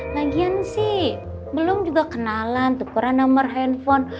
lagian sih belum juga kenalan tukuran nomor handphone